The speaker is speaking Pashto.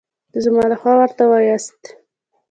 زما له خوا ورته ووایاست.